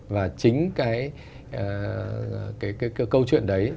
và chính cái câu chuyện đấy